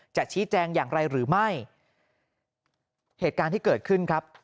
ชี้แจงอย่างไรหรือไม่เหตุการณ์ที่เกิดขึ้นครับ